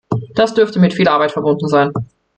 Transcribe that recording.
Das dürfte mit viel Arbeit verbunden sein.